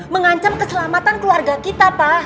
mengancam keselamatan keluarga kita pak